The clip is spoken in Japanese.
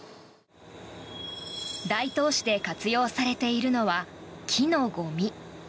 大東市で活用されているのは木のゴミ。